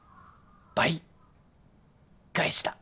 倍返しだ。